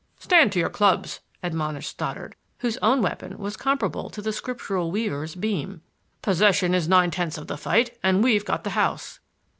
"Stand to your clubs," admonished Stoddard, whose own weapon was comparable to the Scriptural weaver's beam. "Possession is nine points of the fight, and we've got the house."